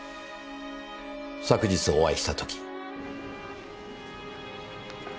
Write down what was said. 昨日お会いした時。